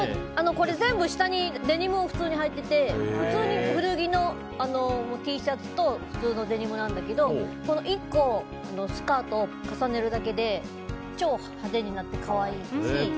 これ全部下にデニムを普通にはいてて普通に古着のＴシャツと普通のデニムなんだけど１個、スカートを重ねるだけで超派手になって、可愛いし。